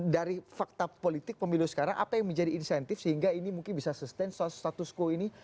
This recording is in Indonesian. dari fakta politik pemilu sekarang apa yang menjadi insentif sehingga ini mungkin bisa sustain status quo ini